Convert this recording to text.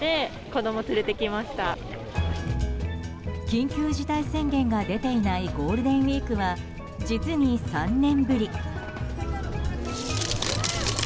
緊急事態宣言が出ていないゴールデンウィークは実に３年ぶり。